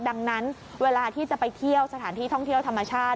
ดังนั้นเวลาที่จะไปเที่ยวสถานที่ท่องเที่ยวธรรมชาติ